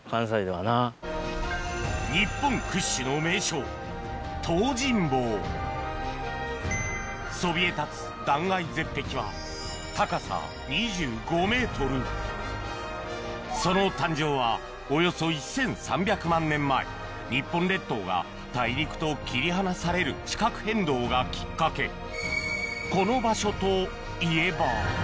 日本屈指の名勝そびえ立つ断崖絶壁はその誕生はおよそ１３００万年前日本列島が大陸と切り離される地殻変動がきっかけあ。